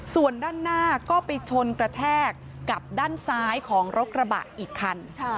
ส่วนด้านหน้าก็ไปชนกระแทกกับด้านซ้ายของรถกระบะอีกคัน